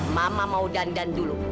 mama mau dandan dulu